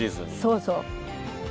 そうそう。